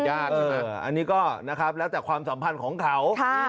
ใช่ไหมอันนี้ก็นะครับแล้วแต่ความสัมพันธ์ของเขา